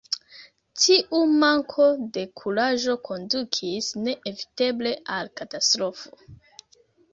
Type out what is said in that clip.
Tiu manko de kuraĝo kondukis ne-eviteble al katastrofo.